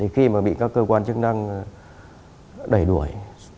khi mà bị các cơ quan chức năng đẩy đuổi